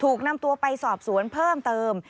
ถูกนำตัวไปสอบสวนเพิ่มเติม